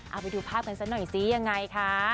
เอาไปดูภาพกันซะหน่อยซิยังไงคะ